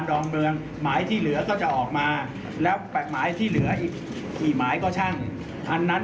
และภูมิกลับและภูมิตามที่ผมพูดด้วยว่า